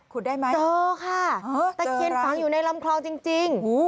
ได้ไหมเจอค่ะตะเคียนฝังอยู่ในลำคลองจริง